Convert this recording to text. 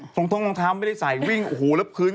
ท้องท้องเท้าไม่ได้ใส่วิ่งโอ้โฮแล้วคืน